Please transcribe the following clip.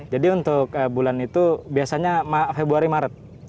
jadi untuk bulan itu biasanya februari maret